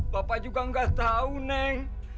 bapak juga nggak tahu neng